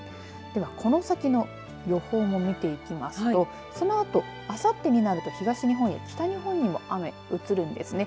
では、この先の予報も見ていきますとそのあと、あさってになると東日本や北日本でも雨移るんですね。